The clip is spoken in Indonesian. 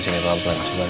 sini sini pelan pelan